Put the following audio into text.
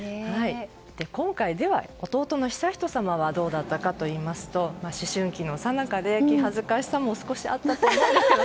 今回、では弟の悠仁さまはどうだったのかといいますと思春期のさなかで気恥ずかしさも少しあったと思うんですけど。